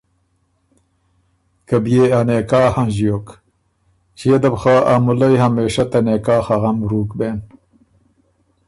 که بيې ا نکاح هنݫیوک، ݭيې ده بُو خه ا مُلئ همېشۀ ته نکاح ا غم ورُوک بېن